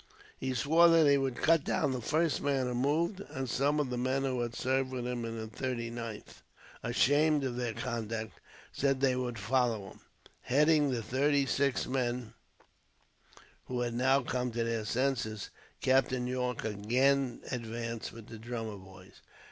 He swore that he would cut down the first man who moved, and some of the men who had served with him in the 39th, ashamed of their conduct, said that they would follow him. Heading the thirty six men who had now come to their senses, Captain Yorke again advanced, with the drummer boys.